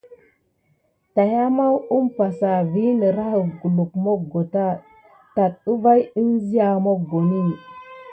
Tayamaou umpa sa vi nerahək guluk moggota tat əvay əŋzia moggoni.